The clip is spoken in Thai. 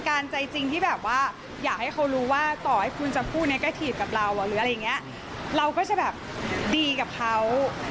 กับเราหรืออะไรอย่างเงี้ยเราก็จะแบบดีกับเขา